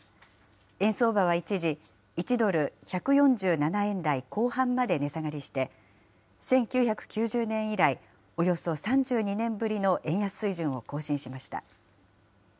円相場は一時、１ドル１４７円台後半まで値下がりして、１９９０年以来、およそ３２年ぶりの円安水準を更新しました。